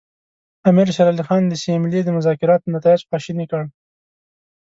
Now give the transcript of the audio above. امیر شېر علي خان د سیملې د مذاکراتو نتایج خواشیني کړل.